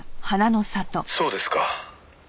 「そうですか」